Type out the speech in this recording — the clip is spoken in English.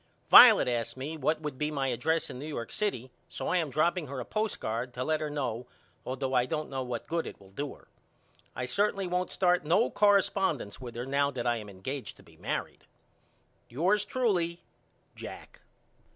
Violet asked me what would be my address in New York City so I am dropping her a postcard to let her know all though I don't know what good it will do her. I certainly won't start no correspondents with her now that I am engaged to be married. Yours truly, JACK.